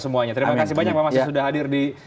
semuanya terima kasih banyak pak masis sudah hadir di